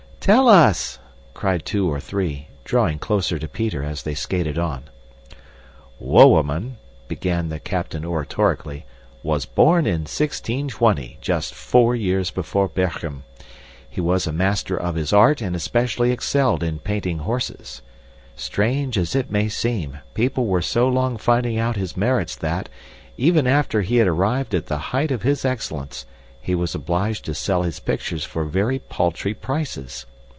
"Tell us!" cried two or three, drawing closer to Peter as they skated on. "Wouwerman," began the captain oratorically, "was born in 1620, just four years before Berghem. He was a master of his art and especially excelled in painting horses. Strange as it may seem, people were so long finding out his merits that, even after he had arrived at the height of his excellence, he was obliged to sell his pictures for very paltry prices.